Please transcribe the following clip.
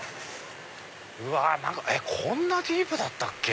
うわ何かこんなディープだったっけ？